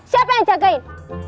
siapa yang jagain